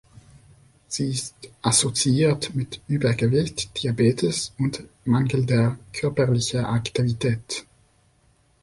Sie ist assoziiert mit Übergewicht, Diabetes und mangelnder körperlicher Aktivität.